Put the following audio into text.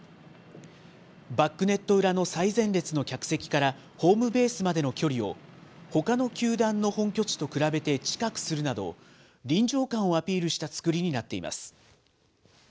バックネット裏の最前列の客席からホームベースまでの距離を、ほかの球団の本拠地と比べて近くするなど、臨場感をアピールした造りになっています。